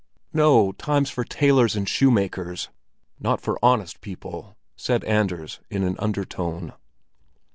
"No, time's for tailors and shoemakers, not for honest people!" said Anders in an undertone.